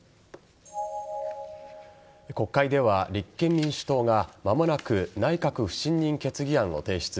国会では立憲民主党が間もなく内閣不信任決議案を提出。